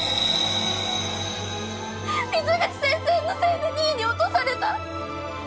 水口先生のせいで２位に落とされた。